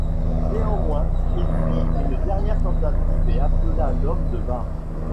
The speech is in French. Néanmoins, il fit une dernière tentative et appela l’homme de barre.